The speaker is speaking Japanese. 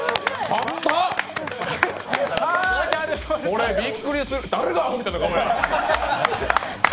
俺、びっくりする誰がアホみたいな顔や。